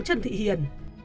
trần thị hiền